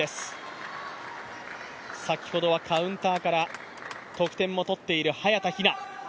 先ほどはカウンターから得点も取っている早田ひな。